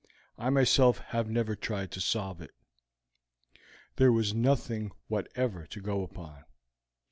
I myself have never tried to solve it. There was nothing whatever to go upon.